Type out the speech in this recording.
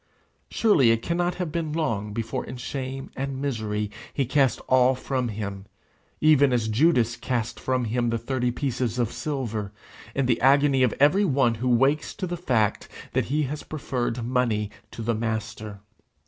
Surely it cannot have been long before in shame and misery he cast all from him, even as Judas cast from him the thirty pieces of silver, in the agony of every one who wakes to the fact that he has preferred money to the Master!